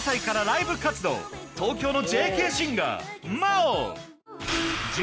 東京のＪＫシンガーＭａｏ！